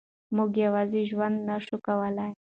موږ یوازې ژوند نه شو کولای.